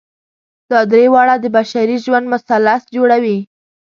دا درې واړه د بشري ژوند مثلث جوړوي.